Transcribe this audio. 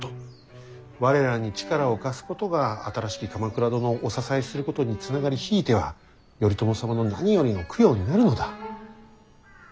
我らに力を貸すことが新しき鎌倉殿をお支えすることに繋がりひいては頼朝様の何よりの供養になるのだ。